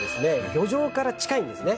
漁場から近いんですね。